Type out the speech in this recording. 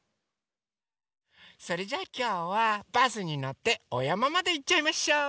それじゃきょうはバスにのっておやままでいっちゃいましょう。